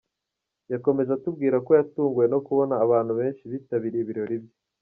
Yakomeje atubwira ko yatunguwe no kubona abantu benshi bitabiriye ibirori bye.